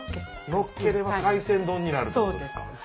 のっければ海鮮丼になるってことですか。